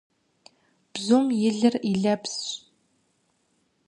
Бзум и лыр, и лэпсщ.